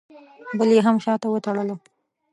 بل یې هم شاته وتړلو.